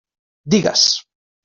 Digues.